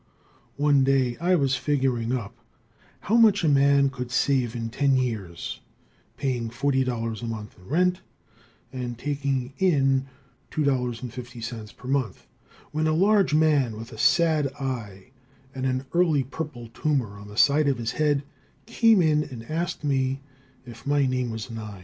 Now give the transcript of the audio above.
One day I was figuring up how much a man could save in ten years, paying forty dollars a month rent, and taking in two dollars and fifty cents per month, when a large man with a sad eye and an early purple tumor on the side of his head, came in and asked me if my name was Nye.